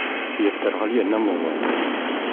Yedderɣel yerna meẓẓi.